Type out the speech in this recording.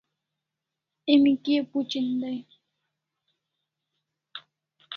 Emi kia phuchin dai?